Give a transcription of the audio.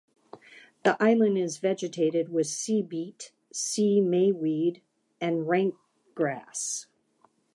The island is vegetated with sea beet, sea mayweed and rank grass.